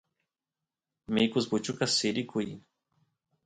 mikus puchukas sirikuy